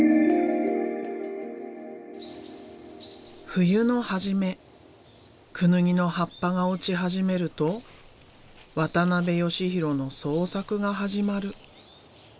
冬の初めクヌギの葉っぱが落ち始めると渡邊義紘の創作が始まる。